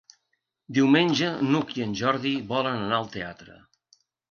Diumenge n'Hug i en Jordi volen anar al teatre.